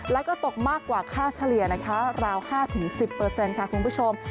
และก็ตกมากกว่าค่าเฉลี่ยนะคะราว๕๑๐เปอร์เซ็นต์ค่ะคุณผู้ชม